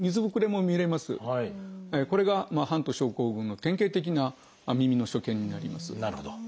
これがハント症候群の典型的な耳の所見になります。